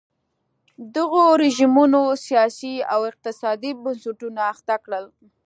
دغو رژیمونو سیاسي او اقتصادي بنسټونه اخته کړل.